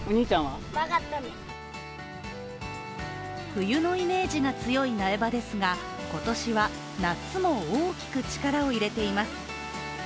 冬のイメージが強い苗場ですが今年は夏も大きく力を入れています。